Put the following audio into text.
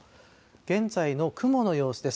現在の雲の様子です。